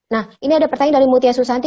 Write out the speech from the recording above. nah ini ada pertanyaan dari mutia susanti